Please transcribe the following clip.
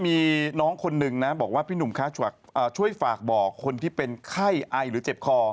มีน้องคนหนึ่งนะบอกว่าพี่หนุ่มคะช่วยฝากบอกคนที่เป็นไข้ไอหรือเจ็บคอ